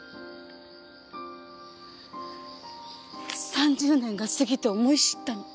３０年が過ぎて思い知ったの。